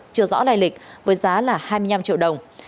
chưa rõ đại lịch với giá là hai mươi năm triệu đồng